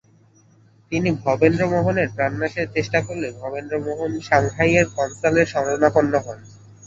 তিনি ভবেন্দ্রমোহনের প্রাণনাশের চেষ্টা করলে ভবেন্দ্রমোহন সাংহাইয়ের কন্সালের শরণাপন্ন হন।